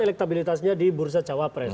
elektabilitasnya di bursa cawapres